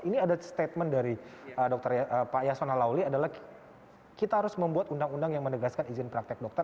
ini ada statement dari pak yasona lawli adalah kita harus membuat undang undang yang menegaskan izin praktek dokter